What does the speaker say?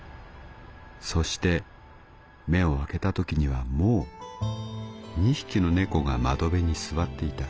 そして目を開けた時にはもう二匹の猫が窓辺に座っていた。